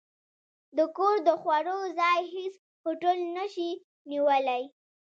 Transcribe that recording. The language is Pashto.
د کور د خوړو، ځای هېڅ هوټل نه شي نیولی.